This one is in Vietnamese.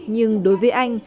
nhưng đối với anh